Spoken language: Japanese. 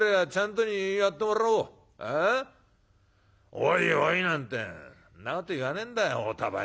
『おいおい』なんてんなこと言わねえんだよおおたばに。